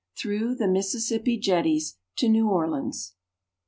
THROUGH THE MISSISSIPPI JETTIES TO NEW ORLEANS.